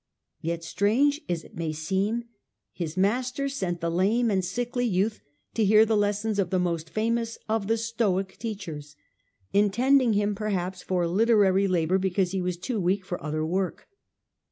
Yet, strange as it may seem, his master sent the lame and sickly youth to hear the lessons of the most famous of the Stoic teachers, intending him, perhaps, for literary labour because he was too weak for other work.